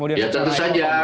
ya tentu saja